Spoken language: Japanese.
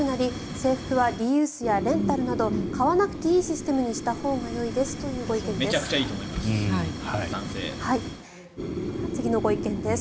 制服はリユースやレンタルなど買わなくていいシステムにしたほうがいいですというご意見です。